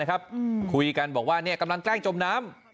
คุยกันบอกว่ากำลังแกล้งจมน้ำ